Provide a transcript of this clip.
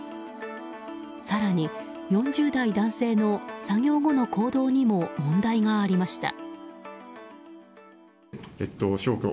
更に４０代男性の作業後の行動にも問題がありました。